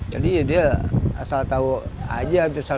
jadi dia asal tau aja